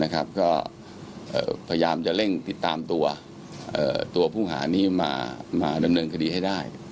ก็พยายามจะเร่งติดตามตัวผู้หานี้มาดำเนินคดีให้ได้